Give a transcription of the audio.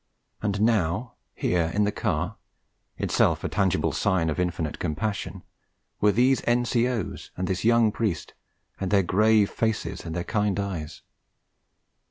And now here in the car, itself a tangible sign of infinite compassion, were these N.C.O.'s and this young priest, with their grave faces and their kind eyes!